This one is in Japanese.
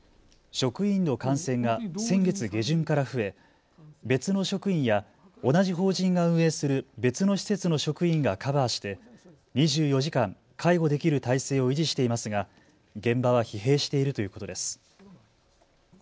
職員の感染が先月下旬から増え、別の職員や同じ法人が運営する別の施設の職員がカバーして２４時間介護できる態勢を維持していますが現場は疲弊しているということです。